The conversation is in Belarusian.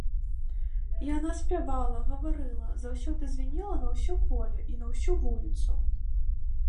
Яна спявала, гаварыла, заўсёды звінела на ўсё поле і на ўсю вуліцу.